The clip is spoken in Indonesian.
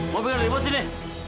mau pilih dari sini